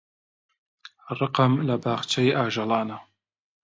ڕقم لە باخچەی ئاژەڵانە.